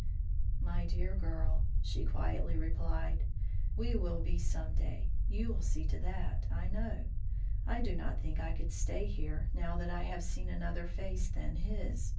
"My dear girl," she quietly replied, "we will be some day. You will see to that, I know. I do not think I could stay here, now that I have seen another face than his.